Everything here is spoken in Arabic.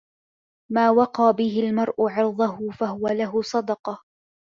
مَا وَقَى بِهِ الْمَرْءُ عِرْضَهُ فَهُوَ لَهُ صَدَقَةٌ